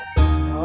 lu kagak masuk